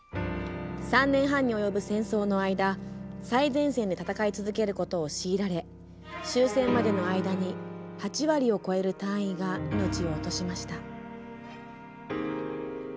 ３年半に及ぶ戦争の間最前線で戦い続けることを強いられ終戦までの間に、８割を超える隊員が命を落としました。